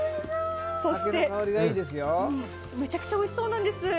そしてむちゃくちゃおいしそうなんです。